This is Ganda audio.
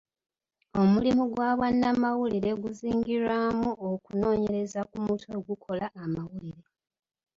Omulimu gw'obwannamawulire guzingiramu okunoonyereza ku mutwe ogukola amawulire.